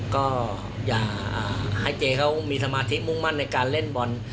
ก็อย่าให้เจ๊เขามีสมาธิมุ่งมั่นในการเล่นบอล